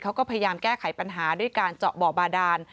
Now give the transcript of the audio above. เขาก็พยายามแก้ไขปัญหาด้วยการเจาะบ่อบาดาน